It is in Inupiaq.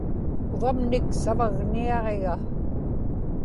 uvamnik savagniaġiga